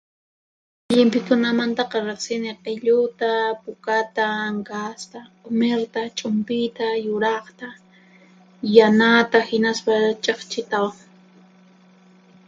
Llimphikunamantaqa riqsini q'illuta, pukata, anqasta, q'umirta, ch'umpita, yuraqta, yanata hinaspa ch'iqchitawan.